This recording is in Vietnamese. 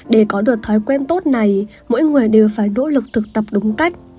để có được thói quen tốt này mỗi người đều phải đỗ lực thực tập đúng cách